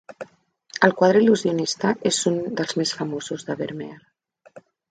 El quadre il·lusionista és un dels més famosos de Vermeer.